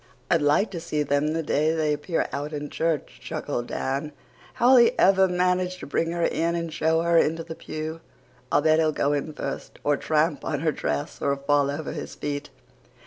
"I'd like to see them the day they appear out in church," chuckled Dan. "How'll he ever manage to bring her in and show her into the pew? I'll bet he'll go in first or tramp on her dress or fall over his feet."